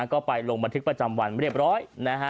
ก็ไปลงบันทึกประจำวันเรียบร้อยนะฮะ